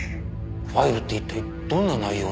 ファイルって一体どんな内容の。